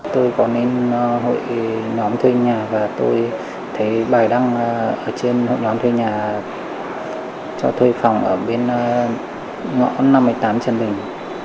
tôi đã đến nhà và tôi thấy bài đăng ở trên hội đoán thuê nhà cho thuê phòng ở bên ngõ năm mươi tám trần bình